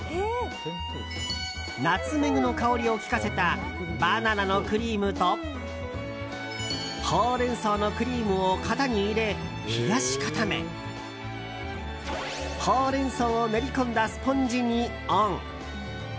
ナツメグの香りを利かせたバナナのクリームとホウレンソウのクリームを型に入れ、冷やし固めホウレンソウを練り込んだスポンジにオン。